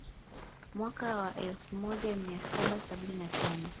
Mwaka wa elfu moja mia saba sabini na tano